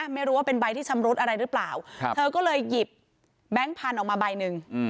ไม่รู้ว่าเป็นใบที่ชำรุดอะไรหรือเปล่าเธอก็เลยหยิบแบงค์พันธุ์ออกมาใบหนึ่ง